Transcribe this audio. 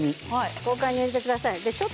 豪快に入れてください。